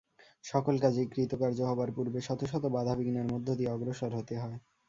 সকল কাজেই কৃতকার্য হবার পূর্বে শত শত বাধা-বিঘ্নের মধ্য দিয়ে অগ্রসর হতে হয়।